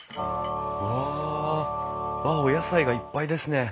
わああっお野菜がいっぱいですね。